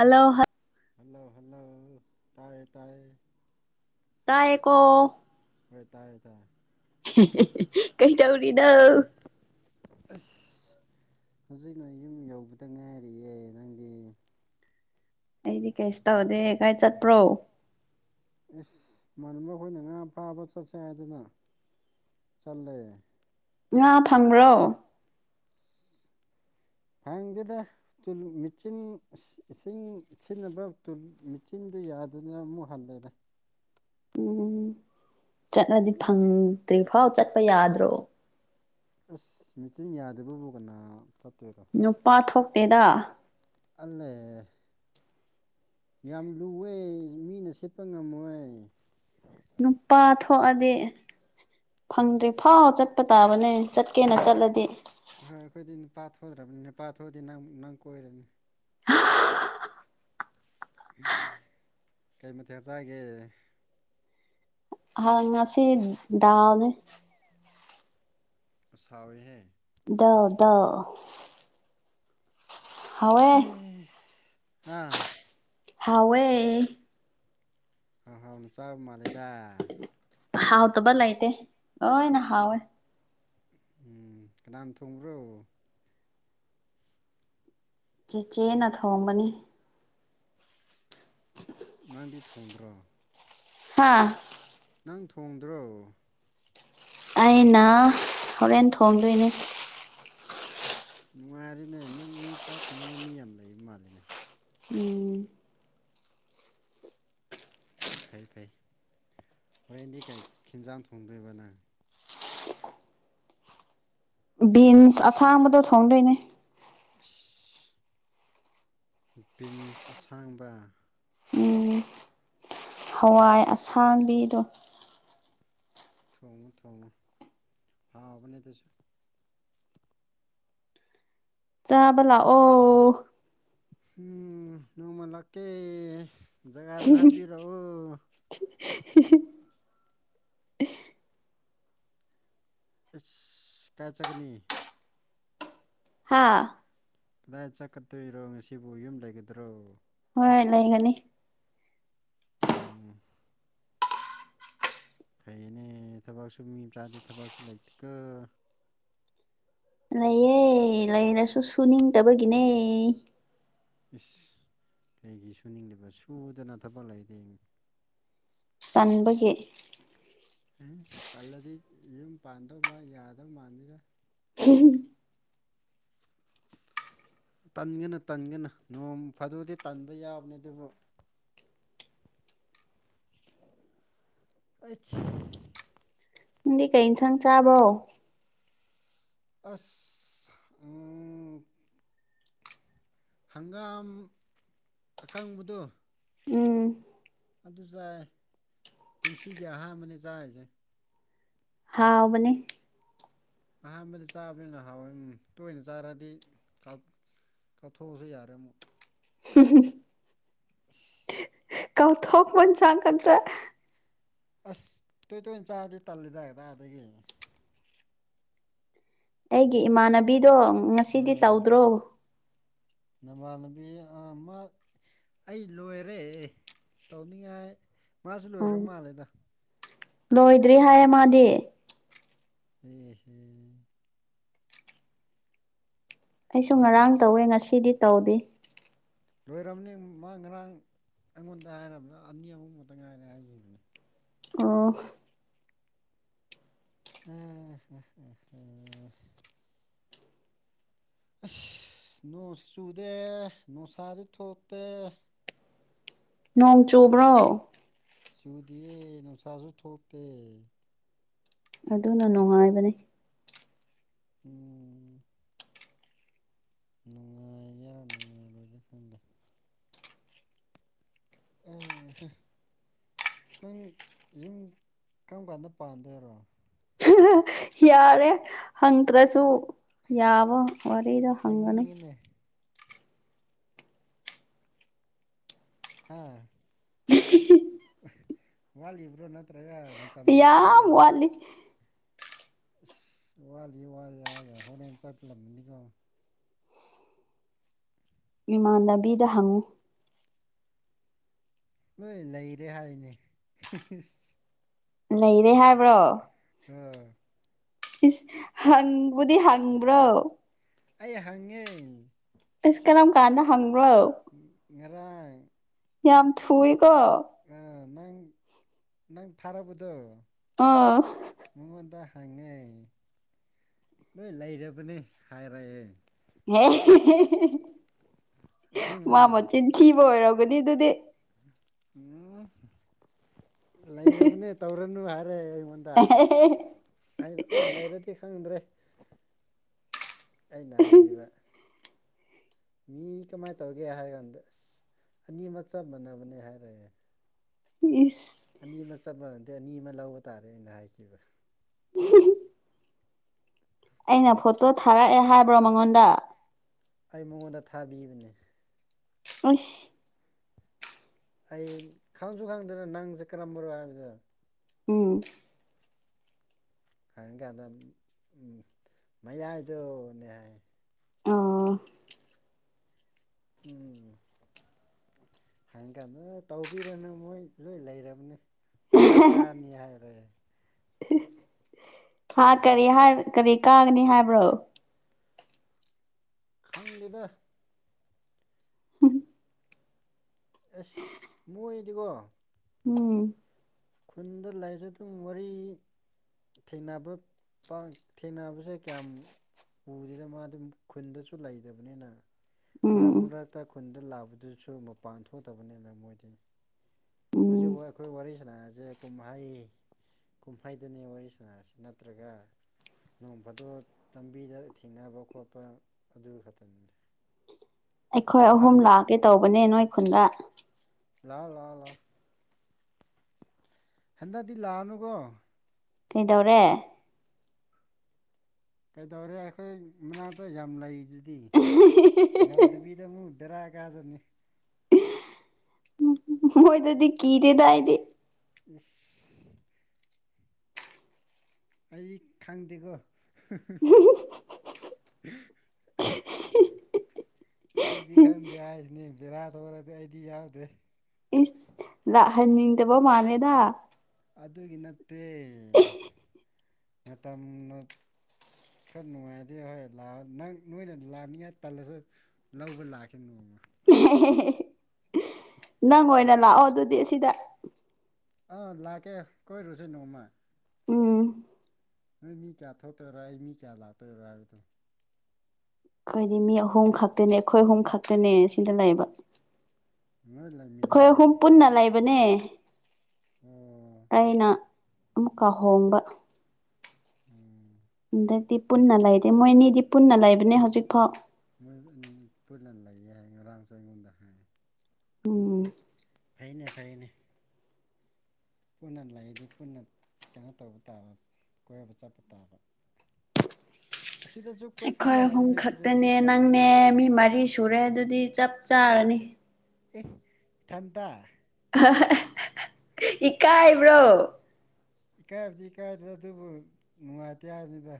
Hello ꯍꯥ hello hello ꯇꯥꯏꯌꯦ ꯇꯥꯏꯌꯦ ꯇꯥꯢ ꯑꯦꯀꯣ ꯍꯣꯏ ꯇꯥꯏꯌꯦ ꯇꯥꯏꯌꯦ [unintelligible] ꯀꯩ ꯇꯧꯔꯤꯅꯣ ꯑꯁ ꯍꯧꯖꯤꯛꯅ ꯌꯨꯝ ꯌꯧꯕꯗ ꯉꯥꯏꯔꯤꯌꯦ ꯅꯪꯗꯤ ꯑꯩꯗꯤ ꯀꯩꯁꯨ ꯇꯧꯗꯦ ꯀꯥꯏ ꯆꯠꯄ꯭ꯔꯣ ꯏꯁ ꯏꯃꯥꯟꯅꯕ ꯈꯣꯏꯅ ꯉꯥ ꯐꯥꯕ ꯆꯠꯁꯦ ꯍꯥꯏꯗꯅ ꯆꯠꯂꯦ ꯉꯥ ꯐꯪꯕ꯭ꯔꯣ ꯐꯪꯗꯦꯗꯥ ꯇꯨꯂꯨ ꯃꯦꯆꯤꯟ ꯏꯁ ꯏꯁꯤꯡ ꯁꯤꯠꯅꯕꯥ ꯇꯨꯜ ꯃꯦꯆꯤꯟꯗꯨ ꯌꯥꯗ‌ꯦꯅꯥ ꯑꯃꯨꯛ ꯍꯜꯂꯦꯗꯥ ꯎꯝ ꯆꯠꯂꯗꯤ ꯐꯪꯗ꯭ꯔꯤ ꯐꯥꯎ ꯆꯠꯄ ꯌꯥꯗ꯭ꯔꯣ ꯑꯁ ꯃꯦꯆꯤꯟ ꯌꯥꯗꯕꯕꯨ ꯀꯅꯥ ꯆꯠꯇꯣꯏꯔꯣ ꯅꯨꯄꯥ ꯊꯣꯛꯇꯦꯗꯥ ꯑꯜꯂꯦ ꯌꯥꯝ ꯂꯨꯋ‌ꯦ ꯃꯤꯅ ꯁꯤꯠꯄꯥ ꯉꯝꯃꯣꯏ ꯅꯨꯄꯥ ꯊꯣꯛꯑꯗꯤ ꯐꯪꯗ꯭ꯔꯤ ꯐꯥꯎ ꯆꯠꯄ ꯇꯥꯕꯅꯦ ꯆꯠꯀꯦꯅ ꯆꯠꯂꯗꯤ ꯍꯣꯏ ꯑꯩꯈꯣꯏꯗꯤ ꯅꯨꯄꯥ ꯊꯣꯛꯗ꯭ꯔꯕꯅꯤ ꯅꯨꯄꯥ ꯊꯣꯛꯑꯗꯤ ꯅꯪ ꯅꯪ ꯀꯣꯏꯔꯅꯤ ꯀꯩ ꯃꯊꯦꯜ ꯆꯥꯏꯒꯦ ꯍꯥꯡ ꯉꯁꯤ ꯗꯥꯜꯅꯤ ꯑ ꯁꯥꯎꯔꯤꯍꯦ ꯗꯥꯜ ꯗꯥꯜ ꯍꯦ ꯍꯥ ꯍꯥꯎꯋꯦ ꯍꯍꯥꯎꯅ ꯆꯥꯕ ꯃꯥꯜꯂꯦꯗ ꯍꯥꯎ ꯇꯕ ꯂꯩꯇꯦ ꯂꯣꯏꯅꯥ ꯍꯥꯎꯋꯦ ꯎꯝ ꯀꯅꯥꯅ ꯊꯣꯡꯕ꯭ꯔꯣ ꯆꯦꯆꯦꯅ ꯊꯣꯡꯕꯅꯤ ꯅꯪꯗꯤ ꯊꯣꯡꯗ꯭ꯔꯣ ꯍꯥꯥ ꯅꯪ ꯊꯣꯡꯗ꯭ꯔꯣ ꯑꯩꯅ ꯍꯣꯔꯦꯟ ꯊꯣꯡꯗꯣꯏꯅꯤ ꯑꯁ ꯅꯨꯡꯉꯥꯏꯔꯦꯅꯦ ꯅꯪ ꯅꯣꯏ ꯆꯥꯛ ꯊꯣꯡꯅꯕ ꯃꯤ ꯌꯥꯝ ꯂꯩꯕ ꯃꯥꯜꯂꯦꯅꯦ ꯎꯝ ꯐꯩ ꯐꯩ ꯍꯣꯔꯦꯟꯗꯤ ꯀꯩ ꯈꯦꯟꯖꯥꯡ ꯊꯣꯡꯗꯣꯏꯕ ꯅꯪ ꯕꯤꯟꯁ ꯑꯁꯥꯡꯕꯗꯣ ꯊꯣꯡꯗꯣꯏꯅꯦ ꯏꯁ ꯕꯤꯟꯁ ꯑꯁꯥꯡꯕ ꯎꯝ ꯍꯋꯥꯏ ꯑꯁꯥꯡꯕꯤꯗꯣ ꯊꯣꯡꯉꯨ ꯊꯣꯡꯉꯨ ꯍꯥꯎꯕꯅꯦ ꯑꯗꯨꯁꯨ ꯆꯕ ꯂꯥꯛ ꯑꯣ ꯍꯨꯝ ꯅꯣꯡꯃ ꯂꯥꯛꯀꯦ ꯖꯒꯥꯗꯨ ꯍꯥꯏꯕꯤꯔꯛꯑꯣ ꯑꯁ ꯀꯥꯏꯆꯥꯒꯅꯤ ꯍꯥꯥ ꯀꯗꯥꯏ ꯆꯠꯀꯗꯣꯏꯔꯣ ꯉꯁꯤꯕꯨ ꯌꯨꯝ ꯂꯩꯒꯗ꯭ꯔꯣ ꯍꯣꯏ ꯂꯩꯒꯅꯤ ꯎꯝ ꯎ ꯐꯩꯌꯦꯅꯦ ꯊꯕꯛꯁꯨ ꯃꯤ ꯃꯆꯥꯗꯤ ꯊꯕꯛꯁꯨ ꯂꯩꯇꯦꯀꯣ ꯂꯩꯌꯦ ꯂꯩꯔꯁꯨ ꯁꯨꯅꯤꯡꯗꯕꯒꯤꯅꯦ ꯏꯁ ꯀꯩꯒꯤ ꯁꯨꯅꯤꯡꯗꯕ ꯁꯨꯗꯅ ꯊꯕꯛ ꯂꯩꯗꯤ ꯇꯟꯕꯒꯤ ꯑꯦ ꯇꯜꯂꯗꯤ ꯌꯨꯝ ꯄꯥꯟꯗꯧ ꯃꯥ ꯌꯥꯗꯧ ꯃꯥꯟꯗꯦꯗ ꯎ [unintelligible] ꯇꯟꯒꯅꯨ ꯇꯟꯒꯅꯨ ꯅꯣꯡ ꯐꯥꯗꯣꯛꯗꯤ ꯇꯟꯕ ꯌꯥꯕꯅꯤ ꯑꯗꯨꯕꯨ ꯑꯩꯆ ꯅꯪꯗꯤ ꯀꯩ ꯏꯟꯁꯥꯡ ꯆꯥꯕ꯭ꯔꯣ ꯑꯁ ꯎꯝ ꯍꯪꯒꯥꯝ ꯑꯀꯪꯕꯗꯣ ꯎꯝ ꯑꯗꯨ ꯆꯥꯏ ꯀꯨꯝꯁꯤꯒꯤ ꯑꯍꯥꯟꯕꯅꯦ ꯆꯥꯏꯖꯦ ꯍꯥꯎꯕꯅꯦ ꯑꯍꯥꯟꯕꯗ ꯆꯥꯕꯅꯤꯅ ꯍꯥꯎꯋꯦ ꯇꯣꯏꯅ ꯆꯥꯔꯗꯤ ꯀꯠꯞꯊꯣꯛꯑꯁꯨ ꯌꯥꯔꯦ ꯑꯃꯨꯛ ꯎ ꯑ ꯀꯧꯊꯣꯛꯣꯛ ꯃꯟ ꯆꯥꯡ ꯀꯗ ꯑꯁ ꯇꯣꯏ ꯇꯣꯏꯅ ꯆꯥꯔꯗꯤ ꯇꯜꯜꯂꯤꯦꯗꯥꯗꯥ ꯑꯗꯒꯤ ꯑꯩꯒꯤ ꯏꯃꯥꯟꯅꯕꯤꯗꯣ ꯉꯁꯤꯗꯤ ꯇꯧꯗ꯭ꯔꯣ ꯅ ꯃꯥꯥꯟꯅꯕꯤ ꯑ ꯃꯥ ꯑꯩ ꯂꯣꯏꯔꯦ ꯇꯧꯅꯤꯡꯉꯥꯏ ꯃꯥꯁꯨ ꯂꯣꯏꯔ ꯎꯝ ꯃꯥꯜꯂꯦꯗ ꯂꯣꯏꯗ꯭ꯔꯤ ꯍꯥꯏꯌꯦ ꯃꯥꯗꯤ ꯍ ꯍꯨꯝ [inaudible] ꯑꯩꯁꯨ ꯅꯪ ꯉꯔꯥꯡ ꯇꯧꯋꯦ ꯉꯁꯤꯗꯤ ꯇꯧꯗꯦ ꯂꯣꯏꯔꯕꯅꯤ ꯃꯥ ꯉꯔꯥꯡ ꯑꯩꯉꯣꯟꯗ ꯍꯥꯏꯔꯕ꯭ꯔ ꯑꯅꯤ ꯑꯃꯛꯇ ꯉꯥꯏꯔꯦ ꯍꯥꯏꯈꯤꯕꯅꯤ ꯑꯣ ꯑ [inaudible] ꯑꯁ ꯅꯣꯡꯁꯤ ꯆꯨꯗꯦ ꯅꯨꯡꯁꯥꯁꯨ ꯊꯣꯛꯇꯦ ꯅꯣꯡ ꯆꯨꯕ꯭ꯔꯣ ꯆꯨꯗꯤꯌꯦ ꯅꯨꯡꯁꯥꯁꯨ ꯊꯣꯛꯇꯦ ꯑꯗꯨꯅ ꯅꯨꯡꯉꯥꯏꯕꯅꯦ ꯎꯝ ꯅꯨꯡꯉꯥꯏꯒꯦꯔꯥ ꯅꯨꯡꯉꯥꯏꯔꯣꯏꯒꯦꯔ ꯈꯪꯗꯦ ꯑꯦ ꯅꯪ ꯌꯨꯝ ꯀꯔꯝ ꯀꯥꯟꯗ ꯄꯥꯟꯗꯣꯏꯔꯣ ꯌꯥꯔꯦ ꯍꯪꯗ꯭ꯔꯁꯨ ꯌꯥꯕ ꯋꯥꯔꯤꯗ ꯍꯪꯒꯅꯤ ꯍꯪꯅꯤꯡꯉꯤꯅꯦ ꯍꯥ ꯋꯥꯠꯂꯤꯕ꯭ꯔꯣ ꯅꯠꯇ꯭ꯔꯒ ꯃꯇꯝ ꯌꯥꯝ ꯂꯩꯇ꯭ꯔꯕꯣ ꯋꯥꯠꯂꯤ ꯋꯥꯠꯂꯤ ꯋꯥꯠꯂꯤ ꯍꯥꯏꯒ ꯍꯣꯔꯦꯟ ꯆꯠꯂꯝꯅꯤꯒꯣ ꯏꯃꯥꯟꯅꯕꯤꯗ ꯍꯪꯉꯨ ꯅꯣꯏ ꯂꯩꯔꯦ ꯍꯥꯏꯅꯦ ꯂꯩꯔꯦ ꯍꯥꯏꯕ꯭ꯔꯣ ꯑꯝ ꯏꯁ ꯍꯪꯕꯨꯗꯤ ꯍꯪꯕ꯭ꯔꯣ ꯑꯩ ꯍꯪꯉꯦ ꯏꯁ ꯀꯔꯝ ꯀꯥꯟꯗ ꯍꯪꯕꯔꯣ ꯉꯔꯥꯡ ꯌꯥꯝ ꯊꯨꯏꯀꯣ ꯑ ꯅꯪ ꯅꯪ ꯊꯥꯔꯛꯕꯗꯣ ꯑꯥ ꯃꯉꯣꯟꯗ ꯍꯪꯉꯦ ꯅꯣꯏ ꯂꯩꯔꯕꯅꯦ ꯍꯥꯏꯔꯛꯑꯦ ꯍꯦ ꯃꯥ ꯑꯁꯦꯡꯕꯅꯦ ꯃꯆꯤꯟ ꯊꯤꯕ ꯑꯣꯏꯔꯝꯒꯅꯤ ꯑꯗꯨꯗꯤ ꯎꯝ ꯂꯩꯔꯕꯅꯦ ꯇꯧꯔꯅꯨ ꯍꯥꯏꯔꯛꯑꯦ ꯑꯩꯉꯣꯟ ꯗ ꯑꯩꯅ ꯑꯣ ꯂꯩꯔꯗꯤ ꯈꯪꯗ꯭ꯔꯦ ꯑꯩꯅ ꯍꯥꯏꯕꯤꯕ ꯃꯤ ꯀꯃꯥꯏꯅ ꯇꯧꯒꯦ ꯍꯥꯏꯔ ꯀꯥꯟꯗ ꯑꯁ ꯑꯅꯤꯃꯛ ꯆꯞ ꯃꯥꯟꯅꯕꯅꯦ ꯍꯥꯏꯔꯛꯑꯦ ꯏꯁ ꯑꯅꯤ ꯑꯃ ꯆꯠꯄꯗꯗꯤ ꯑꯅꯤ ꯑꯃ ꯂꯧꯕ ꯇꯥꯔꯦ ꯑꯩꯅ ꯍꯥꯏꯈꯤꯕ ꯑꯩꯅ ꯐꯣꯇꯣ ꯊꯥꯔꯛꯑꯦ ꯍꯥꯏꯕ꯭ꯔꯣ ꯃꯉꯣꯟꯗ ꯑꯩ ꯃꯉꯣꯟꯗ ꯊꯥꯕꯤꯕꯅꯤ ꯑꯁ ꯑꯩ ꯈꯪꯁꯨ ꯈꯪꯗꯅ ꯅꯪꯁꯦ ꯀꯔꯝꯕꯅꯣ ꯍꯥꯏꯕꯗꯦ ꯎꯝ ꯈꯪ ꯀꯥꯟꯗ ꯃꯌꯥꯏꯗꯣꯅꯦꯍ ꯑꯥ ꯎꯝ ꯍꯥꯏ ꯀꯥꯟꯗ ꯇꯧꯕꯤꯔꯨꯅ ꯃꯣꯏ ꯂꯣꯏ ꯂꯩꯔꯕꯅꯦ ꯕꯦꯔꯥ ꯀꯥꯅꯤ ꯍꯥꯏꯔꯦ ꯍꯥ ꯑꯩꯅ ꯀꯔꯤ ꯀꯔꯤ ꯀꯥꯒꯅꯤ ꯍꯥꯏꯕ꯭ꯔꯣ ꯈꯪꯗꯦꯗ [unintelligible] ꯑꯦꯁ ꯃꯣꯏꯗꯤꯀꯣ ꯎꯝ ꯈꯨꯟꯗ ꯂꯩꯁꯨ ꯑꯗꯨꯝ ꯋꯥꯔꯤ ꯊꯦꯡꯅꯕ ꯊꯦꯡꯅꯕꯁꯦ ꯀꯌꯥꯝ ꯎꯁꯤꯗ ꯃꯥ ꯑꯗꯨꯝ ꯈꯨꯟꯗꯁꯨ ꯂꯩꯇꯕꯅꯤꯅ ꯃꯔꯛ ꯎꯝ ꯃꯔꯛꯇ ꯈꯨꯟꯗ ꯂꯥꯛꯕꯗꯨꯁꯨ ꯃꯄꯥꯟ ꯊꯣꯛꯇꯕꯅꯤꯅ ꯃꯣꯏꯗꯤ ꯎꯝ ꯍꯧꯖꯤꯛꯐꯥꯎ ꯑꯩꯈꯣꯏ ꯋꯥꯔꯤ ꯁꯥꯟꯅꯁꯦ ꯀꯨꯝꯍꯩ ꯀꯨꯝꯍꯩꯗꯅꯦ ꯋꯥꯔꯤ ꯁꯥꯟꯅꯔꯁꯤ ꯅꯠꯇ꯭ꯔꯒ ꯅꯣꯡ ꯐꯥꯗꯣꯛ ꯂꯝꯕꯤꯗ ꯊꯦꯡꯅꯕ ꯈꯣꯠꯄ ꯑꯗꯨ ꯈꯛꯇꯅꯤꯗ ꯑꯩꯈꯣꯏ ꯑꯍꯨꯝ ꯂꯥꯛꯀꯦ ꯇꯧꯕꯅꯦ ꯅꯣꯏ ꯈꯨꯟꯗ ꯂꯥꯛꯑꯣ ꯂꯥꯛꯑꯣ ꯂꯥꯛꯑꯣ ꯍꯟꯗꯛꯤ ꯂꯥꯛꯑꯅꯨꯒꫭ ꯀꯩꯗꯧꯔꯦ ꯀꯩꯗꯧꯔꯦ ꯑꯩꯈꯣꯏ ꯃꯅꯥꯛꯇ ꯌꯥꯝ ꯂꯩꯗꯨꯗꯤ ꯌꯥꯎꯗꯕꯤ ꯑꯃꯨꯛ ꯍꯨꯗꯇꯔꯥꯒꯖꯅꯤ ꯃꯣꯏꯗꯥꯗꯤ ꯀꯤꯗꯦꯗꯥ ꯑꯩꯗꯤ ꯏꯁ ꯑꯩꯗꯤ ꯈꯪꯗꯦꯀꯣ [unintelligible] ꯑꯩꯗꯤ ꯈꯪꯗꯦ ꯍꯥꯏꯁꯤꯅꯤ ꯕꯦꯔꯥ ꯊꯣꯛꯔꯗꯤ ꯑꯩꯗꯤ ꯌꯥꯎꯗꯦ ꯏꯁ ꯂꯥꯛꯍꯟꯅꯤꯡꯗꯕ ꯃꯥꯜꯂꯦꯗ ꯑꯗꯨꯒꯤ ꯅꯠꯇꯦ ꯃꯇꯝ ꯈꯔ ꯅꯨꯡꯉꯥꯏꯗꯤ ꯍꯣꯏ ꯂꯥꯛꯑꯣ ꯅꯪ ꯅꯣꯏꯅ ꯂꯥꯛꯅꯤꯡꯉꯥꯏ ꯇꯜꯂꯁꯨ ꯂꯧꯕ ꯂꯥꯛꯀꯦ ꯅꯣꯡꯃ ꯅꯪ ꯑꯣꯏꯅ ꯂꯥꯛꯑꯣ ꯑꯗꯨꯗꯤ ꯁꯤꯗ ꯑꯥ ꯂꯥꯛꯀꯦ ꯀꯣꯏꯔꯨꯁꯦ ꯅꯣꯡꯃ ꯎꯝ ꯅꯣꯏ ꯃꯤ ꯀꯌꯥ ꯊꯣꯛꯇꯣꯏꯔꯣ ꯑꯩ ꯃꯤ ꯀꯌꯥ ꯂꯥꯛꯇꯣꯏꯔꯣ ꯍꯥꯏꯕꯗꯣ ꯑꯩꯈꯣꯏꯗꯤ ꯃꯤ ꯑꯍꯨꯝ ꯈꯛꯇꯅꯦ ꯑꯩꯈꯣꯏ ꯑꯍꯨꯝ ꯈꯛꯇꯅꯦ ꯁꯤꯗ ꯂꯩꯕ ꯅꯣꯏ ꯑꯩꯈꯣꯏ ꯂꯩꯃꯤꯟꯅꯕ꯭ꯔꯣ ꯑꯍꯨꯝ ꯑꯣ ꯄꯨꯟꯅ ꯂꯩꯕꯅꯦ ꯑꯩꯅ ꯑꯃꯨꯛꯀꯥꯍꯣꯡꯕ ꯎꯝ ꯑꯗꯗꯤ ꯄꯨꯟꯅ ꯂꯩꯗꯦ ꯃꯣꯏꯅꯤꯗꯤ ꯄꯨꯟꯅ ꯂꯩꯕꯅꯦ ꯍꯧꯖꯤꯛꯐꯥꯎ ꯃꯣꯏ ꯄꯔꯤ ꯂꯅ ꯂꯩ ꯍꯥꯏ ꯔꯪ ꯆꯏꯒꯨꯝꯗ ꯍꯥꯏ ꯎꯝ ꯐꯩꯅꯦ ꯐꯩꯅꯦ ꯄꯨꯟꯅ ꯂꯩꯗꯤ ꯄꯨꯟꯅ ꯀꯩꯅꯣ ꯇꯧꯕ ꯇꯥꯕ ꯀꯣꯏꯕ ꯆꯠꯄ ꯇꯥꯕ ꯑꯁꯤꯗꯁꯨ ꯀꯣꯏꯐꯝ ꯑꯩꯈꯣꯏ ꯑꯍꯨꯝ ꯂꯩꯇ꯭ꯔꯤꯅꯦ ꯁꯤꯗꯁꯨ ꯈꯛꯇꯅꯦ ꯅꯪꯅꯦ ꯇꯜꯂꯤꯅꯦ ꯃꯤ ꯃꯔꯤ ꯁꯨꯔꯦ ꯑꯗꯨꯗꯤ ꯆꯞ ꯆꯥꯔꯅꯤ ꯑꯦ ꯏꯊꯟꯇ ꯏꯀꯥꯏꯕ꯭ꯔꯣ ꯏꯀꯥꯏꯕꯗꯤ ꯏꯀꯥꯏꯗꯦ ꯑꯗꯨꯕꯨ ꯅꯨꯡꯉꯥꯏꯇꯦ ꯍꯥꯏꯕꯅꯤꯗ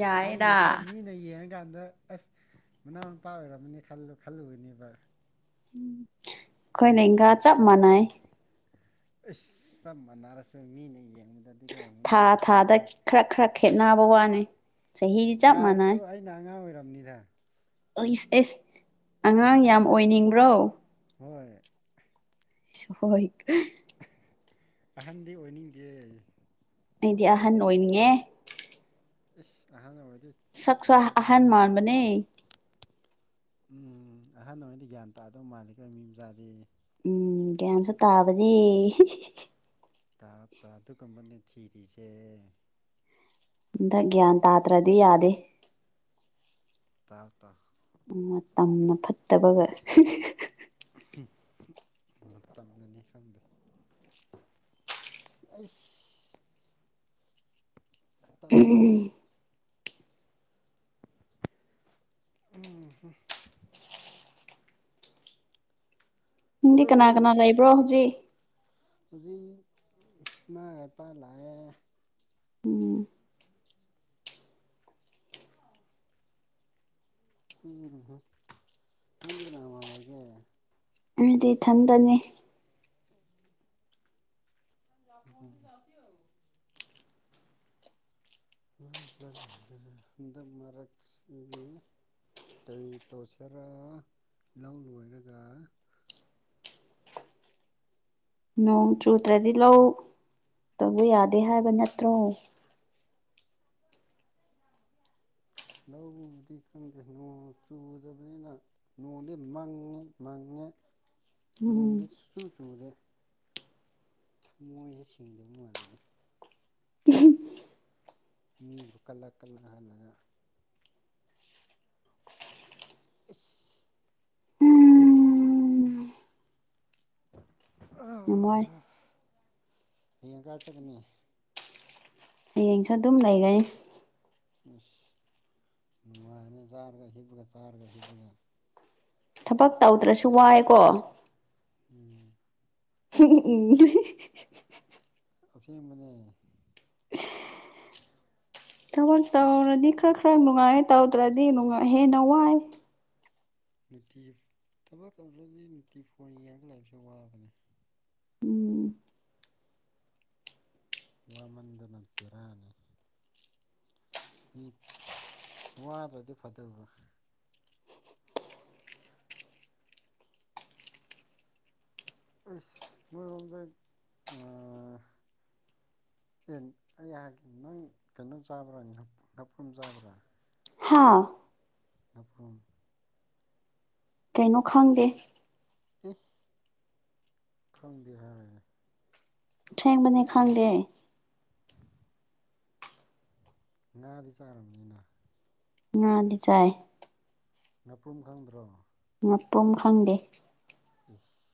ꯌꯥꯏꯗ ꯃꯤꯅ ꯑꯩꯈꯣꯏ ꯃꯤꯅ ꯌꯦꯡꯉꯥꯀꯥꯟꯗ ꯑꯁ ꯃꯅꯥꯎ ꯅꯨꯄꯥ ꯑꯣꯏꯔꯝꯃꯅꯤ ꯈꯜꯂ ꯈꯜꯂꯨꯒꯅꯦꯕ ꯑꯈꯣꯏ ꯂꯦꯡꯒꯥ ꯆꯞ ꯃꯥꯟꯅꯅꯤ ꯆꯞ ꯃꯥꯟꯅꯔꯁꯨ ꯃꯤꯅ ꯌꯦꯡꯕꯥꯗꯥꯗꯤ ꯊꯥ ꯊꯥꯗ ꯈꯔꯥ ꯈꯔꯥ ꯈꯦꯠꯅꯕ ꯋꯥꯅꯤ ꯆꯍꯤꯗꯤ ꯆꯞ ꯃꯥꯟꯅꯩ ꯊꯥꯗꯁꯨ ꯑꯩꯅ ꯑꯉꯥꯡ ꯑꯣꯏꯔꯝꯅꯤꯗ ꯑꯦꯁ ꯑꯉꯥꯡ ꯌꯥꯝ ꯑꯣꯏꯅꯤꯡꯕ꯭ꯔꯣ ꯍꯣꯏ ꯍꯣꯏ ꯑꯍꯟꯗꯤ ꯑꯣꯏꯅꯤꯡꯗꯤꯌꯦ ꯑꯩꯗꯤ ꯑꯍꯟ ꯑꯣꯏꯅꯤꯡꯉꯦ ꯏꯁ ꯑꯍꯟ ꯑꯣꯏꯔꯗꯤ ꯁꯛꯁꯨ ꯕꯦꯔꯥ ꯑꯍꯟ ꯀꯥꯅꯤꯍꯦ ꯃꯥꯟꯕꯅꯦ ꯎꯝ ꯑꯍꯥꯟꯑꯣꯏꯗꯤ ꯒ꯭ꯌꯥꯟ ꯇꯥꯗꯧ ꯃꯥꯜꯂꯤꯀꯣ ꯃꯤ ꯃꯆꯥꯗꯤ ꯎꯝ ꯒ꯭ꯌꯥꯟꯁꯨ ꯇꯥꯕꯅꯤ ꯇꯥꯎ ꯇꯥꯎ ꯑꯗꯨꯒꯨꯝꯕꯅꯦ ꯊꯤꯔꯤꯁꯦ ꯍꯟꯗꯛ ꯒ꯭ꯌꯥꯟ ꯇꯥꯗ꯭ꯔꯗꯤ ꯌꯥꯗꯦ ꯇꯥꯎ ꯇꯥꯎ ꯃꯇꯝꯅ ꯐꯠꯇꯕꯒ ꯃꯇꯝꯅꯅꯦ ꯈꯪꯗꯦ ꯑꯩꯁ ꯇꯜꯂꯦꯍꯦ ꯎꯝ ꯅꯪꯗꯤ ꯀꯅꯥ ꯑꯥ ꯀꯅꯥ ꯂꯩꯕ꯭ꯔꯣ ꯍꯧꯖꯤꯛ ꯍꯧꯖꯤꯛ ꯃꯥ ꯉꯟꯇꯥ ꯂꯥꯛꯑꯦ ꯎꯝ ꯑꯥꯎ [unintelligible] ꯅꯪꯗꯤ ꯀꯅꯥ ꯀꯅꯥ ꯂꯩꯒꯦ ꯑꯩꯗꯤ ꯏꯊꯟꯗꯅꯦ [unintelligible] ꯍꯟꯗꯛ ꯃꯔꯛꯁꯤ ꯀꯩ ꯇꯧꯁꯤꯔꯥ ꯅꯪ ꯂꯣꯏꯔꯒ ꯅꯣꯡ ꯆꯨꯗ꯭ꯔꯗꯤ ꯂꯧ ꯇꯧꯕ ꯌꯥꯗꯦ ꯍꯥꯏꯕ ꯅꯠꯇ꯭ꯔꯣ ꯂꯧꯕꯨꯗꯤ ꯈꯪꯗꯦ ꯅꯣꯡ ꯆꯨꯗꯕꯅꯤꯅ ꯅꯣꯡꯗꯤ ꯃꯪꯉꯦ ꯃꯪꯉꯦ ꯎꯝ ꯅꯣꯡꯗꯤ ꯁꯨꯡꯆꯨ ꯆꯨꯨꯗꯦ ꯊꯃꯣꯏꯁꯦ ꯁꯦꯡꯗꯕꯥ ꯃꯥꯜꯂꯦꯗ [unintelligible] ꯃꯤꯕꯨ ꯀꯂꯛ ꯀꯅꯥꯅꯥ ꯏꯁ ꯌꯥꯝ ꯋꯥꯏ ꯍꯌꯦꯡ ꯀꯥꯏ ꯆꯠꯀꯅꯤ ꯍꯌꯦꯡꯁꯨ ꯑꯗꯨꯝ ꯂꯩꯒꯅꯤ ꯏꯁ ꯅꯨꯡꯉꯥꯏꯔꯦ ꯆꯥꯔꯒꯥ ꯍꯤꯞꯄ꯭ꯔꯒ ꯆꯥꯔꯒꯥ ꯍꯤꯞꯄ꯭ꯔꯒꯥ ꯊꯕꯛ ꯇꯧꯗ꯭ꯔꯁꯨ ꯋꯥꯏꯀꯣ ꯎꯝ ꯎꯝ ꯑꯁꯦꯡꯕꯅꯦ [unintelligible] ꯊꯕꯛ ꯇꯧꯔꯗꯤ ꯈꯔꯥ ꯈꯔꯥ ꯅꯨꯡꯉꯥꯏ ꯇꯧꯗ꯭ꯔꯗꯤ ꯍꯦꯟꯅ ꯋꯥꯏ ꯅꯨꯡꯇꯤ ꯊꯕꯛ ꯇꯧꯗ꯭ꯔꯁꯨ ꯅꯨꯡꯇꯤ ꯐꯣꯟ ꯌꯦꯡꯉꯥꯒꯥ ꯂꯩꯕꯁꯦ ꯋꯥꯕꯅꯦ ꯎꯝ ꯋꯥꯃꯟꯗꯅ ꯕꯦꯔꯥꯅꯤ ꯃꯤ ꯋꯥꯗ꯭ꯔꯗꯤ ꯐꯥꯗꫭꯏꯕ ꯑꯩꯁ ꯅꫭꯏꯔꯣꯝꯗꯥ ꯑꯥ ꯑꯦ ꯑꯩꯍꯥꯛꯀꯤꯅꯤ ꯅꯪ ꯀꯩꯅꯣ ꯆꯥꯕ꯭ꯔꯥ ꯉꯥꯄꯔꯨꯝ ꯆꯥꯕꯔꯥ ꯍꯥꯥ ꯉꯥꯄ꯭ꯔꯨꯝ ꯀꯩꯅꯣ ꯈꯪꯗꯦ ꯑꯦ ꯈꯪꯗꯦ ꯍꯥꯏꯌꯦ ꯑꯁꯦꯡꯕꯅꯦ ꯈꯪꯗꯦ ꯉꯥꯗꯤ ꯆꯥꯔꯝꯅꯤꯅ ꯉꯥꯗꯤ ꯆꯥꯏ꯫ ꯉꯥꯄ꯭ꯔꯨꯝ ꯈꯪꯗ꯭ꯔꯣ꯫ ꯉꯥꯄ꯭ꯔꯨꯝ ꯈꯪꯗꯦ꯫ [unintelligible]